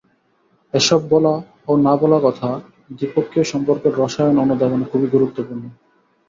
এসব বলা ও না বলা কথা দ্বিপক্ষীয় সম্পর্কের রসায়ন অনুধাবনে খুবই গুরুত্বপূর্ণ।